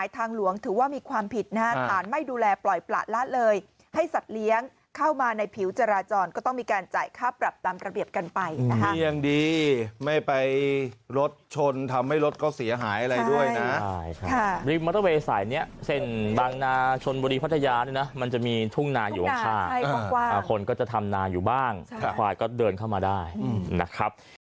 ต้องมีการจ่ายค่าปรับตามกระเบียบกันไปนี่อย่างดีไม่ไปรถชนทำให้รถก็เสียหายอะไรด้วยนะบริมอเตอร์เวย์สายเนี่ยเส้นบางนาชนบริพัฒนายาเนี่ยนะมันจะมีทุ่งนาอยู่ข้างคนก็จะทำนาอยู่บ้างควายก็เดินเข้ามาได้นะครับ